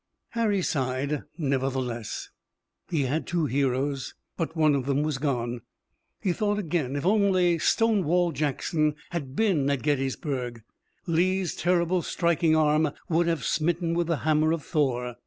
Harry sighed, nevertheless. He had two heroes, but one of them was gone. He thought again if only Stonewall Jackson had been at Gettysburg. Lee's terrible striking arm would have smitten with the hammer of Thor.